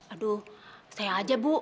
aduh saya aja bu